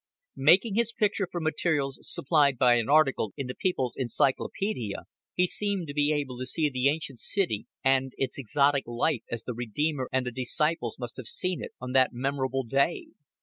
Making his picture from materials supplied by an article in the People's Encyclopedia, he seemed to be able to see the ancient city and its exotic life as the Redeemer and the disciples must have seen it on that memorable day.